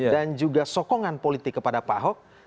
dan juga sokongan politik kepada pak ahok